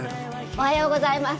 おはようございます。